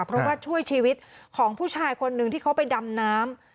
เพราะว่าช่วยชีวิตของผู้ชายคนหนึ่งที่เขาไปดำน้ำ